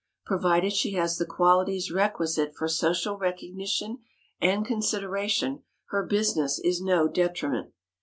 Provided she has the qualities requisite for social recognition and consideration, her business is no detriment.